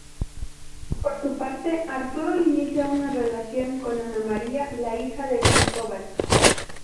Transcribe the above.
Por su parte, Arturo inicia una relación con Ana María, la hija de Cristóbal.